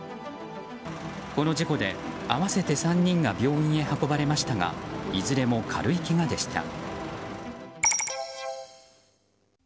この事故で合わせて３人が病院へ運ばれましたがいずれも軽いけがでした。